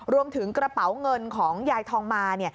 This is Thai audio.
รวมถึงกระเป๋าเงินของยายทองมา